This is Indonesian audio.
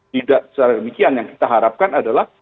tidak secara demikian yang kita harapkan adalah